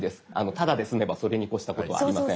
タダで済めばそれに越したことはありません。